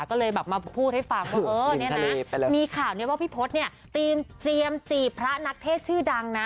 ก็เลยแบบมาพูดให้ฟังว่าเออเนี่ยนะมีข่าวนี้ว่าพี่พศเนี่ยตีนเตรียมจีบพระนักเทศชื่อดังนะ